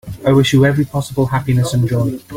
I wish you every possible happiness and joy.